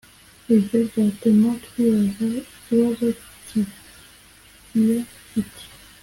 Ibyo byatuma twibaza ikibazo kigira kiti